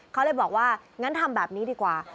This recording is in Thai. เขาเลยบอกว่างั้นทำแบบนี้ดีกว่า